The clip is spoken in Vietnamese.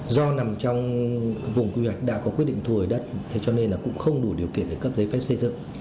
do nằm trong vùng quy hoạch đã có quyết định thu hồi đất thế cho nên là cũng không đủ điều kiện để cấp giấy phép xây dựng